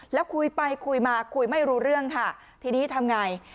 แล้วคุยไปคุยมาคุยไม่รู้เรื่องค่ะทีนี้ทำไง